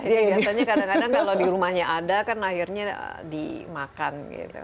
ini biasanya kadang kadang kalau di rumahnya ada kan akhirnya dimakan gitu